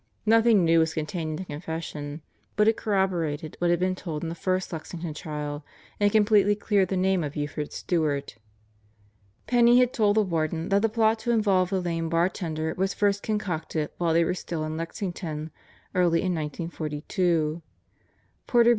Nothing new was contained in the confession, but it corroborated what had been told in the first Lexington trial and completely cleared the name of Buford Stewart. Penney had told the Warden that the plot to involve the lame bar tender was first concocted "while they were still in Lexington early in 1942. Porter B.